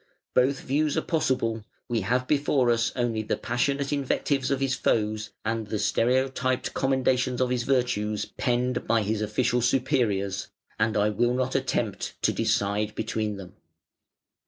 Both views are possible; we have before us only the passionate invectives of his foes and the stereotyped commendations of his virtues penned by his official superiors, and I will not attempt to decide between them.